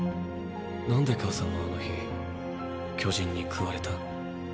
何で母さんはあの日巨人に食われた？